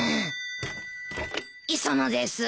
☎磯野です。